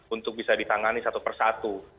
untuk bisa ditangani satu persatu